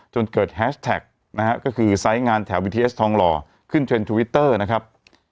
จนเกิดแฮชแท็กนะฮะก็คือไซส์งานแถววิดีเอสทองหล่อขึ้นเทรนด์ทวิตเตอร์นะครับ